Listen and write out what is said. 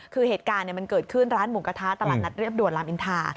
คือเหตุการณ์มันเกิดขึ้นร้านหมูกระทะตลาดนัดเรียบด่วนรามอินทา